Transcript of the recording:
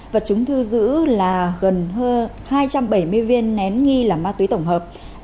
vật chúng thư giữ là gần hơn hai trăm bảy mươi viên nén nghi là ma túy tổng hợp